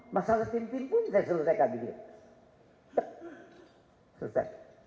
masalah tim tim pun tidak selesai